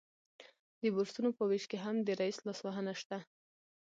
د بورسونو په ویش کې هم د رییس لاسوهنه شته